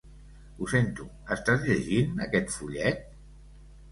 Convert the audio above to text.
Ho sento, estàs llegint aquest fullet?